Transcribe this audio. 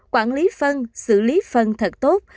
sáu quản lý phân xử lý phân thật tốt